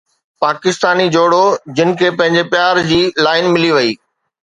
پاڪستاني جوڙو جن کي پنهنجي پيار جي لائن ملي وئي